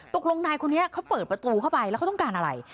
ตกลงนายคนนี้เขาเปิดประตูเข้าไปแล้วเขาต้องการอะไร